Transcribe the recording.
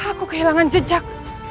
aku kehilangan jejak